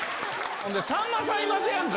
さんまさんいますやんか。